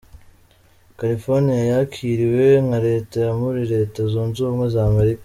California yakiriwe nka leta ya muri Leta zunze ubumwe za Amerika.